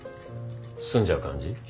住んじゃう感じ？